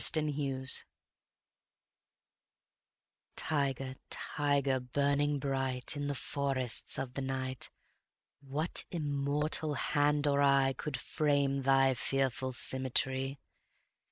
The Tiger TIGER, tiger, burning bright In the forests of the night, What immortal hand or eye Could frame thy fearful symmetry?